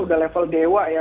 sudah level dewa ya